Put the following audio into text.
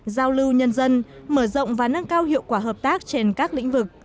giao lưu nhân dân mở rộng và nâng cao hiệu quả hợp tác trên các lĩnh vực